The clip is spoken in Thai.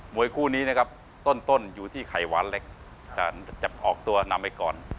วยคู่นี้นะครับต้นอยู่ที่ไข่หวานเล็กแต่จะออกตัวนำไปก่อน